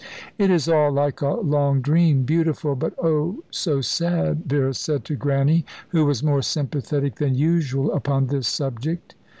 "It is all like a long dream, beautiful, but oh, so sad," Vera said to Grannie, who was more sympathetic than usual upon this subject.